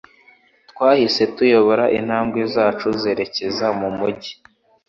Twahise tuyobora intambwe zacu zerekeza mu mujyi